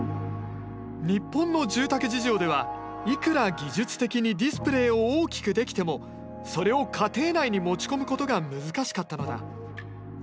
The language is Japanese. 日本の住宅事情ではいくら技術的にディスプレーを大きくできてもそれを家庭内に持ち込むことが難しかったのだ。